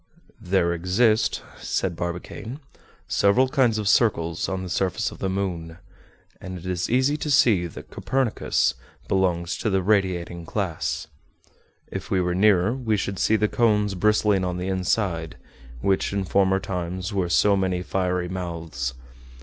"There exist," said Barbicane, "several kinds of circles on the surface of the moon, and it is easy to see that Copernicus belongs to the radiating class. If we were nearer, we should see the cones bristling on the inside, which in former times were so many fiery mouths.